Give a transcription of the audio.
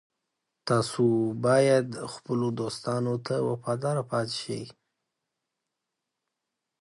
تاسو باید خپلو دوستانو ته وفادار پاتې شئ